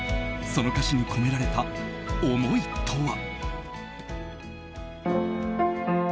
その歌詞に込められた思いとは？